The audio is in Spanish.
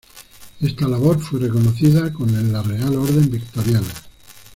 Esta labor fue reconocida con la Real Orden Victoriana.